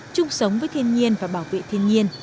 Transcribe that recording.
chung sống với thiên nhiên và bảo vệ thiên nhiên